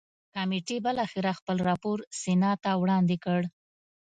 کمېټې بالاخره خپل راپور سنا ته وړاندې کړ.